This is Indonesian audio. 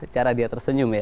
cara dia tersenyum